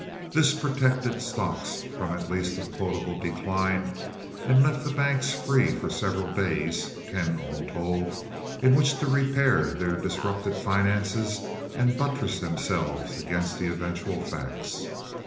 This protected stocks from at least a quotable decline and left the banks free for several days (ten all told) in which to repair their disrupted finances and buttress themselves against the eventual facts.